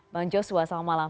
bang joshua selamat malam